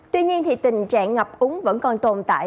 tuy nhiên tình trạng ngập úng vẫn còn tồn tại